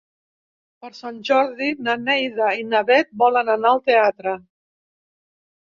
Per Sant Jordi na Neida i na Bet volen anar al teatre.